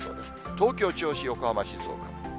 東京、銚子、横浜、静岡。